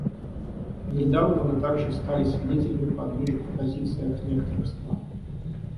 Недавно мы также стали свидетелями подвижек в позициях некоторых стран.